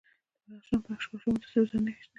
د بدخشان په اشکاشم کې د سرو زرو نښې شته.